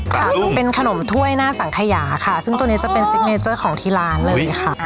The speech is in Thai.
ค่ะเป็นขนมถ้วยหน้าสังขยาค่ะซึ่งตัวนี้จะเป็นซิกเนเจอร์ของที่ร้านเลยค่ะ